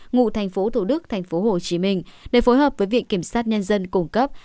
ngụ tp thủ đức tp hồ chí minh để phối hợp với viện kiểm sát nhân dân cung cấp